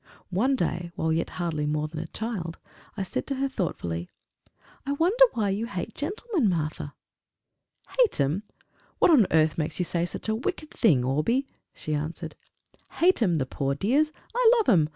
One day, while yet hardly more than a child, I said to her thoughtfully, "I wonder why you hate gentlemen, Martha!" "Hate 'em! What on earth makes you say such a wicked thing, Orbie?" she answered. "Hate 'em, the poor dears! I love 'em!